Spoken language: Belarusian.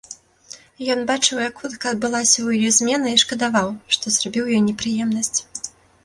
Ён бачыў, як хутка адбылася ў ёй змена, і шкадаваў, што зрабіў ёй непрыемнасць.